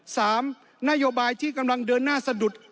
สามนโยบายที่กำลังเดินหน้าสะดุด